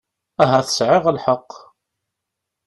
Ahat sɛiɣ lḥeqq.